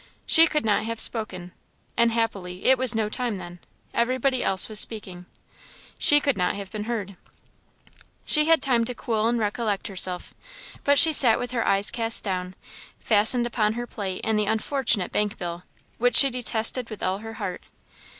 She could not have spoken, and happily it was no time then; everybody else was speaking she could not have been heard. She had time to cool and recollect herself; but she sat with her eyes cast down, fastened upon her plate and the unfortunate bank bill, which she detested with all her heart.